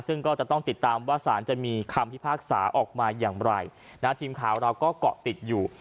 ซึ่งก็จะต้องติดตามว่าสารจะมีคำพิพากษาออกมาอย่างไรนะทีมข่าวเราก็เกาะติดอยู่